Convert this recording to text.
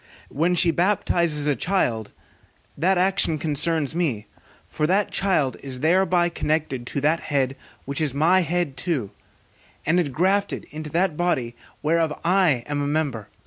When she baptizes a child, that action concerns me; for that child is thereby connected to that body which is my head too, and ingrafted into that body whereof I am a member.